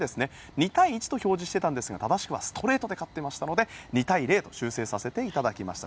２対１と表示していましたが正しくはストレートで勝っていたので２対０と修正させていただきました。